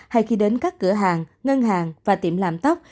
hay khi đến các cửa hàng ngân hàng và tiệm làm tóc